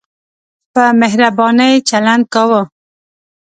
په مهربانۍ چلند کاوه.